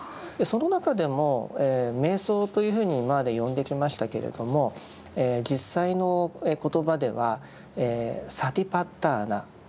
その中でも瞑想というふうに今まで呼んできましたけれども実際の言葉では「サティパッターナ」「念処」という言葉で呼ばれています。